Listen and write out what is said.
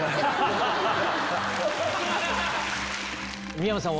三山さん